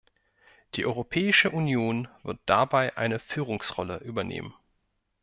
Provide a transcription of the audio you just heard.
Die Europäische Union wird dabei eine Führungsrolle übernehmen.